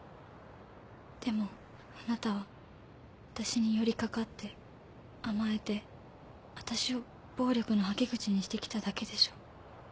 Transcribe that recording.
でもあなたはわたしに寄りかかって甘えてわたしを暴力のはけ口にしてきただけでしょ。